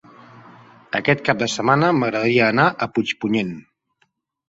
Aquest cap de setmana m'agradaria anar a Puigpunyent.